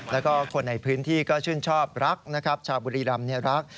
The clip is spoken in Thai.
แล้วก็คนในพื้นที่ก็ชื่นชอบรักนะครับชาวบุรีรำรัก